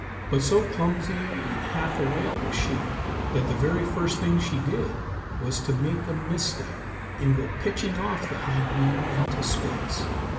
But so clumsy and half awake was she that the very first thing she did was to make a misstep and go pitching off the high beam into space.